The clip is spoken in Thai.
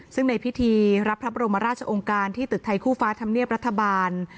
ซึ่งในพิธีรับพระบรมราชองค์การที่ตึกไทยคู่ฟ้าธรรมเนียบรัฐบาล